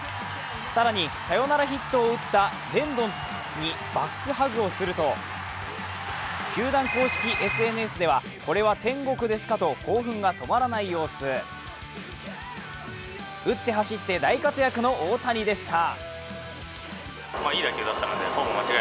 さらにサヨナラヒットを打ったレンドンにバックハグをすると球団公式ＳＮＳでは「これは天国ですか」と興奮が止まらない様子。打って走って大活躍の大谷でした。